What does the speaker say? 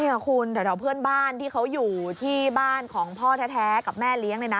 นี่ค่ะคุณแถวเพื่อนบ้านที่เขาอยู่ที่บ้านของพ่อแท้กับแม่เลี้ยงเนี่ยนะ